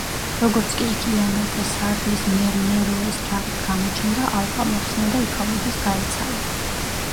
როგორც კი იქ ირანელთა სარდლის მერმეროეს ჯარი გამოჩნდა, ალყა მოხსნა და იქაურობას გაეცალა.